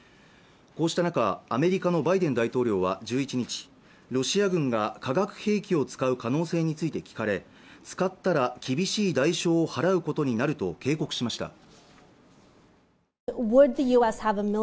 こうした中アメリカのバイデン大統領は１１日ロシア軍が化学兵器を使う可能性について聞かれ使ったら厳しい代償を払うことになると警告しました